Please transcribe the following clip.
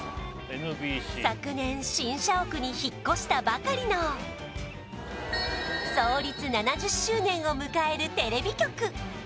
昨年新社屋に引っ越したばかりの創立７０周年を迎えるテレビ局